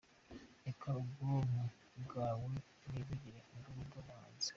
Reka ubwonko bwawe bwivugire, ubwo nibwo buhanzi.